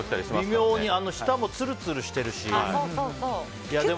微妙に、下もつるつるしてるし。